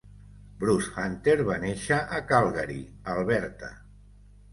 Bruce Hunter va néixer a Calgary, Alberta.